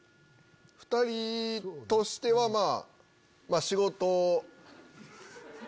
２人としてはまぁ仕事。